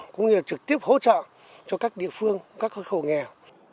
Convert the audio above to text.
cũng như là trực tiếp hỗ trợ cho các địa phương các khổ nghèo